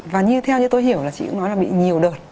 và như theo như tôi hiểu là chị cũng nói là bị nhiều đợt